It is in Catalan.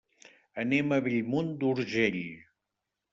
Anem a Bellmunt d'Urgell.